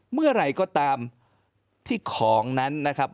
เมื่อไหร่ก็ตามที่ของนั้นนะครับ